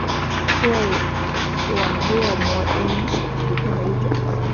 为网络模因图片的一种。